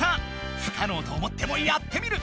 ふかのうと思ってもやってみる！